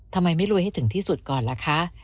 ทำไมไม่รวยให้ถึงที่สุดก่อนล่ะคะ